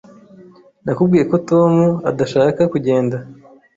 Nakubwiye ko Tom adashaka kugenda.